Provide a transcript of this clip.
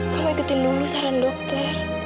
kamu ikutin dulu saran dokter